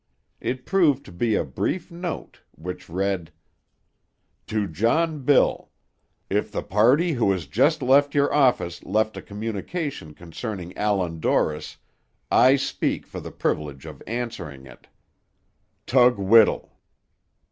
It proved to be a brief note, which read, "TO JOHN BILL, If the party who has just left your office left a communication concerning Allan Dorris, I speak for the privilege of answering it. "TUG WHITTLE."